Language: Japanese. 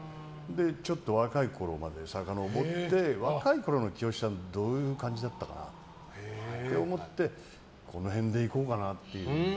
ちょっと若いころまでさかのぼって若いころの清志さんってどういう感じだったかなって思ってこの辺でいこうかなっていう。